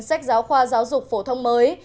sách giáo khoa giáo dục phổ thông mới